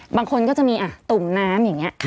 บางคนก็จะมีตุ่มน้ำอย่างนี้